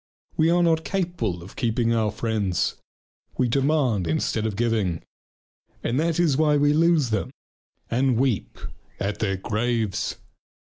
We are not capable of keeping our friends. We demand instead of giving. And that is why we lose them and weep at their graves.